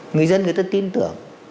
người dân người ta tin tưởng